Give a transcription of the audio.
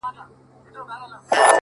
خدايه زارۍ کومه سوال کومه ـ